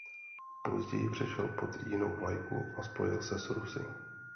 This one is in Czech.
Později přešel pod jinou vlajku a spojil se s Rusy.